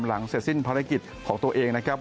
หลังเสร็จสิ้นภารกิจของตัวเองนะครับ